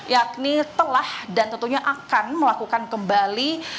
yakni telah dan tentunya akan melakukan kembali